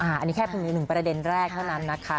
อันนี้แค่เป็นอีกหนึ่งประเด็นแรกเท่านั้นนะคะ